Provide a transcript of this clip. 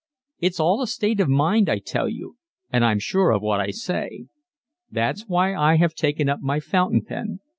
It's all a state of mind, I tell you and I'm sure of what I say. That's why I have taken up my fountain pen.